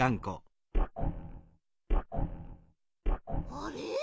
あれ？